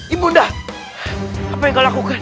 ibu nde apa yang kau lakukan